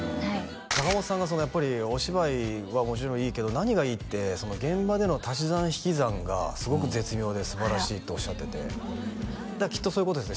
阪本さんがやっぱりお芝居はもちろんいいけど何がいいって現場での足し算引き算がすごく絶妙ですばらしいっておっしゃっててだからきっとそういうことですね